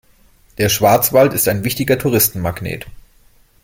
Der Schwarzwald ist ein wichtiger Touristenmagnet.